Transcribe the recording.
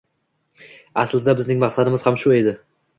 Aslida bizning maqsadimiz ham shu edi.